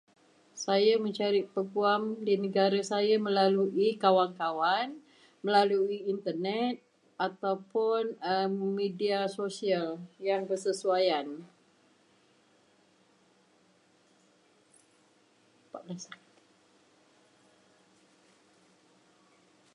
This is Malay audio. Saya mencari peguam di negara saya melalui kawan-kawan, melalui Internet, ataupun media sosial yang bersesuaian.